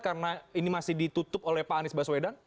karena ini masih ditutup oleh pak anies baswedan